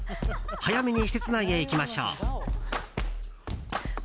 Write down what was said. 早めに施設内へ行きましょう。